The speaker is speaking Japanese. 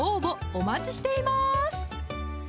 お待ちしています